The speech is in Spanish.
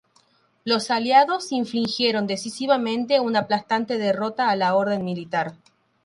Los aliados infligieron decisivamente una aplastante derrota a la orden militar.